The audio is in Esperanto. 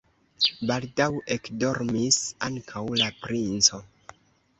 Baldaŭ ekdormis ankaŭ la princo.